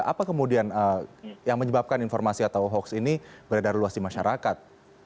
apa kemudian yang menyebabkan informasi atau hoax ini beredar luas di masyarakat